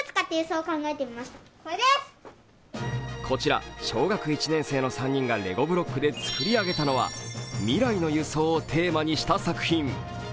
こちら小学１年生の３人がレゴブロックで作り上げたのは未来の輸送をテーマにした作品。